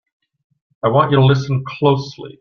I want you to listen closely!